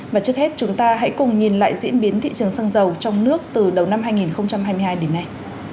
và trước hết chúng ta hãy cùng nhìn lại diễn biến thị trường xăng dầu trong nước từ đầu năm hai nghìn hai mươi hai đến nay